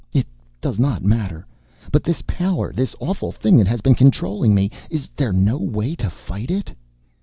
It does not matter. But this power this awful thing that has been controlling me is there no way to fight it?"